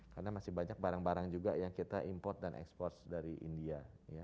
karena masih banyak barang barang juga yang kita import dan export dari india